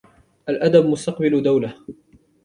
الأدب مستقبل دولة.